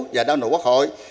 và đa nội quốc hội